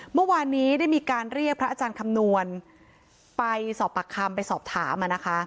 เมื่อวานนี้ได้มีการเรียกพระอาจารย์คำนวณไปสอบปากคำไปสอบถาม